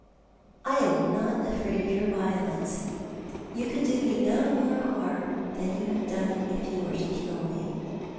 " I am not afraid of your violence. You could do me no more liarm than you have done if you were to kill me.